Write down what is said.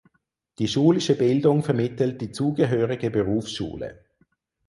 Die schulische Bildung vermittelt die zugehörige Berufsschule.